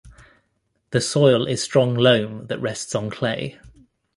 The soil is strong loam that rests on clay.